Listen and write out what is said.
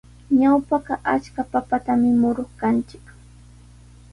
Ñawpaqa achka papatami muruq kanchik.